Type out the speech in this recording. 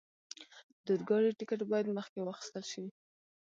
د اورګاډي ټکټ باید مخکې واخستل شي.